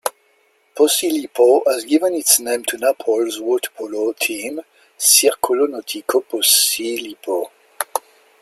Posillipo has given its name to Naples' waterpolo team, Circolo Nautico Posillipo.